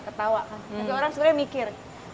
ketawa tapi orang sebenarnya mikir